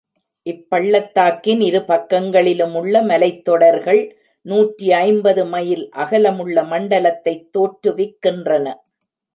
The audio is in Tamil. இப்பள்ளத்தாக்கின் இரு பக்கங்களிலுமுள்ள மலைத்தொடர்கள் நூற்றி ஐம்பது மைல் அகலமுள்ள மண்டலத்தைத் தோற்றுவிக்கின்றன.